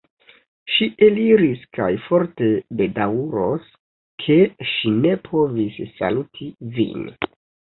Ŝi eliris kaj forte bedaŭros, ke ŝi ne povis saluti vin.